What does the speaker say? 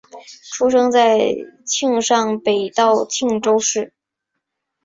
出生在庆尚北道庆州市。